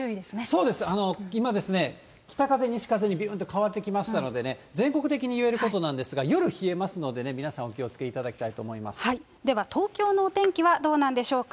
そうです、今、北風にびゅーんと変わってきましたので、全国的に言えることなんですが、夜冷えますのでね、では東京のお天気はどうなんでしょうか。